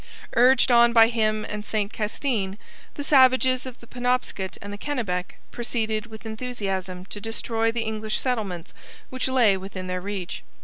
Urged on by him and Saint Castin, the savages of the Penobscot and the Kennebec proceeded with enthusiasm to destroy the English settlements which lay within their reach.